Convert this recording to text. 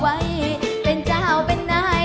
วันนี้เขามากันเป็นครอบครัวเขา